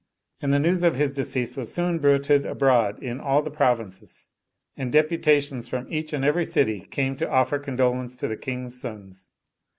And the news of his de cease was soon bruited abroad in all the provinces; and deputations from each and every city came to offer condo lence to the King's sons.